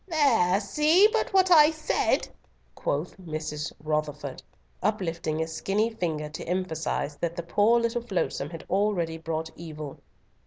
"There! See but what I said!" quoth Mrs. Rotherford, uplifting a skinny finger to emphasise that the poor little flotsome had already brought evil.